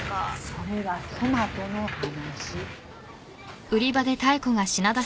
それはトマトの話。